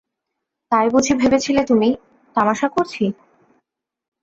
তাই বুঝি ভেবেছিলে তুমি, তামাশা করছি?